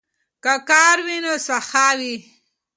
که کار وي نو سخا وي.